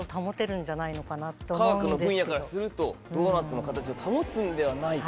科学の分野からするとドーナツの形を保つんではないか。